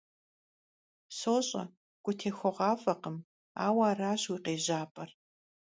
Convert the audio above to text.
СощӀэ, гутехуэгъуафӀэкъым, ауэ аращ уи къежьапӀэр.